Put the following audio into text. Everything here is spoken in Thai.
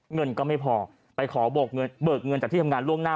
เงินก็ไม่พอไปขอเบิกเงินจากที่ทำงานล่วงหน้า